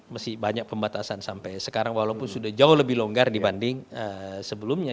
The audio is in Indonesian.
masih banyak pembatasan sampai sekarang walaupun sudah jauh lebih longgar dibanding sebelumnya